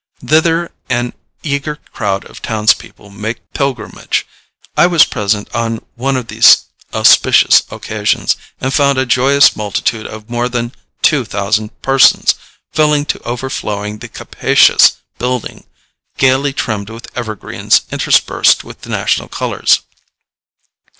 Thither an eager crowd of townspeople make pilgrimage. I was present on one of these auspicious occasions, and found a joyous multitude of more than two thousand persons, filling to overflowing the capacious building gayly trimmed with evergreens interspersed with the national colors.